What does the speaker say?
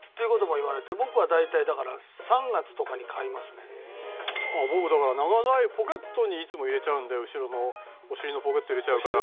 僕は大体だから僕だから長財布ポケットにいつも入れちゃうんで後ろのお尻のポケットに入れちゃうから。